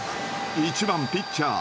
１番・ピッチャー